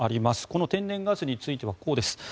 この天然ガスについてはこうです。